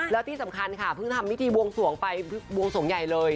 แล้วที่สำคัญค่ะเพิ่งทำพิธีบวงสวงไปบวงสวงใหญ่เลย